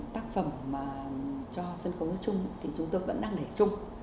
tác phẩm cho sân khấu trung thì chúng tôi vẫn đang để trung